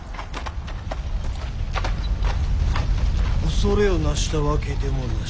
恐れをなしたわけでもなし。